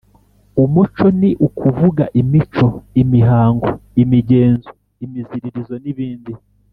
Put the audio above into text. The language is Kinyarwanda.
Umuco Ni ukuvuga imico, imihango, imigenzo, imiziririzo, nibindi………